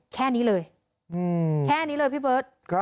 แค่นี้เลยแค่นี้เลยพี่เบิร์ต